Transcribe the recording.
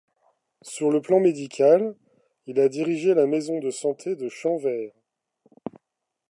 Sur le plan médical, il a dirigé la maison de santé de Champvert.